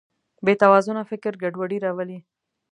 بېتوازنه فکر ګډوډي راولي.